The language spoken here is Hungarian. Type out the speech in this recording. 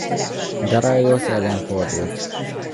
Dareiosz ellen fordult.